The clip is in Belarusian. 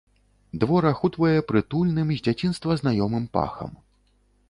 Двор ахутвае прытульным, з дзяцінства знаёмым пахам.